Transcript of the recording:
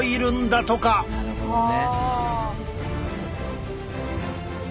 なるほどね。